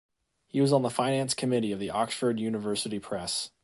He was on the finance committee of the Oxford University Press.